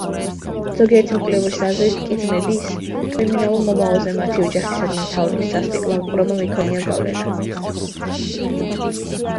ზოგიერთი მკვლევარის აზრით კი ძმების კრიმინალურ მომავალზე მათი ოჯახისადმი მთავრობის სასტიკმა მოპყრობამ იქონია გავლენა.